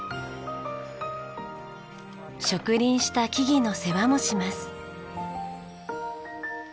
植林した木々の世話もします。